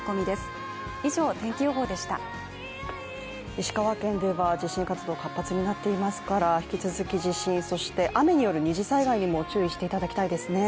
石川県では地震活動、活発になっていますから、引き続き地震、そして雨による二次災害にも気をつけてほしいですね。